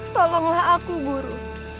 tolonglah aku buru